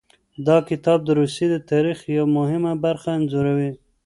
دا کتاب د روسیې د تاریخ یوه مهمه برخه انځوروي.